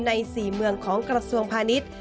ใน๔เมืองของกระทรวงพาณิชย์